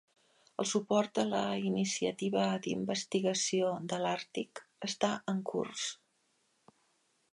El suport a la Iniciativa d'Investigació de l'Àrtic està en curs.